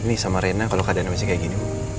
nih sama rena kalau keadaannya masih kayak gini